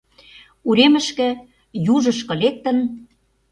Уремышке, южышко лектын